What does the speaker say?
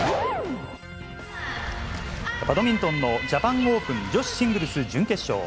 バドミントンのジャパン・オープン女子シングルス準決勝。